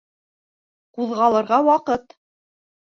Ҡуҙғалырға ваҡыт.